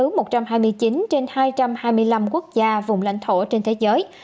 số ca tử phong trên hai trăm hai mươi năm quốc gia vùng lãnh thổ trên thế giới